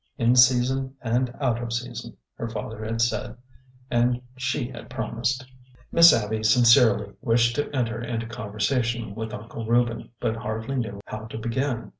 In season and out of season," her father had said, and she had promised. Miss Abby sincerely wished to enter into conversation with Uncle Reuben, but hardly knew how to begin.